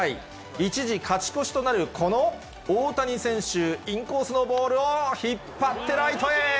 一時、勝ち越しとなるこの大谷選手、インコースのボールを、引っ張ってライトへ。